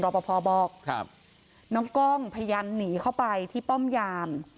พอบอกน้องกล้องพยายามหนีเข้าไปที่ป้อมยาม